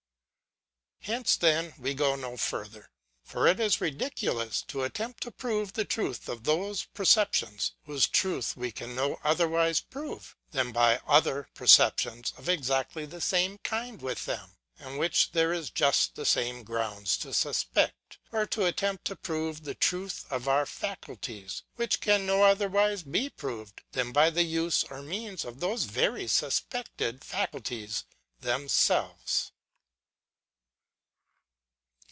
Here then we go no further. For it is ridiculous to attempt to prove the truth of those perceptions, whose truth we can no otherwise prove, than by other perceptions of exactly the same kind with them, and which there is just the same ground to suspect ; or to attempt to prove the truth of our faculties, which can no otherwise be proved, than by the use or means of those very suspected faculties themselves.